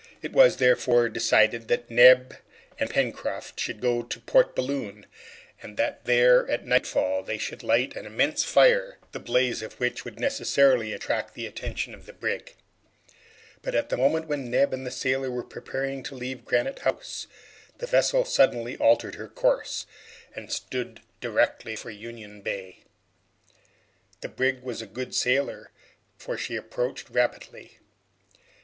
It was therefore decided that Neb and Pencroft should go to Port Balloon, and that there, at nightfall, they should light an immense fire, the blaze of which would necessarily attract the attention of the brig. But at the moment when Neb and the sailor were preparing to leave Granite House, the vessel suddenly altered her course, and stood directly for Union Bay. The brig was a good sailer, for she approached rapidly.